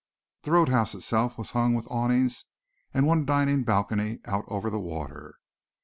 The road house itself was hung with awnings and one dining balcony out over the water.